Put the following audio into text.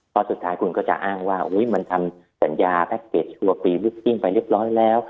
พอสุดท้ายคุณก็จะอ้างว่ามันทำสัญญาแพ็กเกจชั่วปีลึกทิ้งไปเรียบร้อยแล้ว